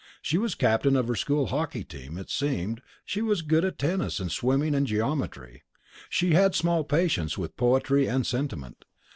She was captain of her school hockey team, it seemed; she was good at tennis and swimming and geometry; she had small patience with poetry and sentiment.